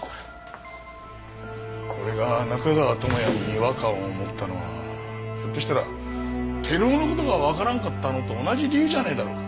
俺が中川智哉に違和感を持ったのはひょっとしたら照夫の事がわからんかったのと同じ理由じゃねえだろうか。